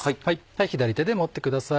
左手で持ってください。